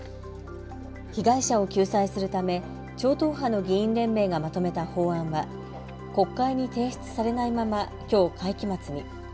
被害者を救済するため超党派の議員連盟がまとめた法案は国会に提出されないままきょう会期末に。